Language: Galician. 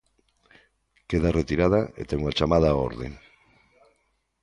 Queda retirada e ten unha chamada á orde.